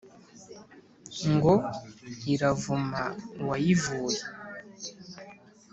ngo iravuma uwayivuye